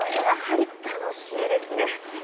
やはり楽しいですね。